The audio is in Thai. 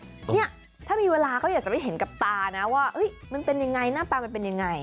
เนี่ยถ้ามีเวลาเขาอยากจะไปเห็นกับตานะว่ามันเป็นยังไงหน้าตามันเป็นยังไง